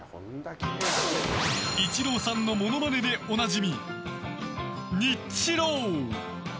イチローさんのものまねでおなじみ、ニッチロー。